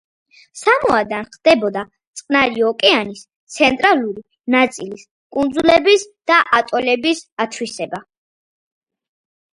სამოადან ხდებოდა წყნარი ოკეანის ცენტრალური ნაწილის კუნძულების და ატოლების ათვისება.